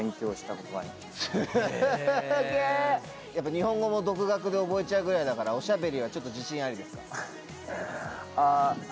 日本語も独学で覚えちゃうぐらいだからお喋りはちょっと自信ありですか？